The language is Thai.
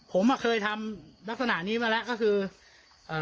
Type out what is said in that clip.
ผมอ่ะเคยทำลักษณะนี้มาแล้วก็คือเอ่อ